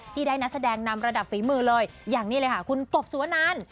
ที่ได้นักแสดงนำระดับฝีมือเลยอย่างนี้เลยค่ะคุณกบสุวนัน